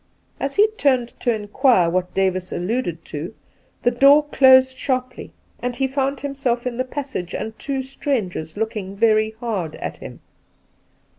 As he turned to inquire what Davis alluded to, the door closed sharply, and he found himself in the pas sage and two strangers looking very hard at him.